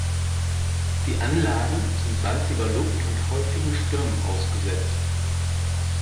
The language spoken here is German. Die Anlagen sind salziger Luft und häufigen Stürmen ausgesetzt.